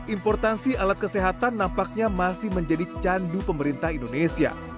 importansi alat kesehatan nampaknya masih menjadi candu pemerintah indonesia